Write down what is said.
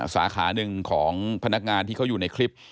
สาขาหนึ่งของพนักงานที่เขาอยู่ในคลิป